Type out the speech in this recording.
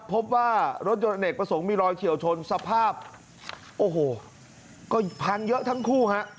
พบว่ารถยนต์เนกประสงค์มีรอยเฉียวชนสภาพโอ้โหก็พังเยอะทั้งคู่ฮะ